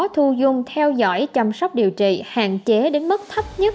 thu dung theo dõi chăm sóc điều trị hạn chế đến mức thấp nhất